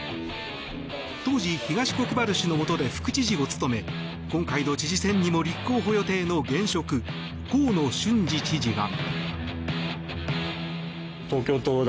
当時、東国原氏の下で副知事を務め今回の知事選にも立候補予定の現職、河野俊嗣知事は。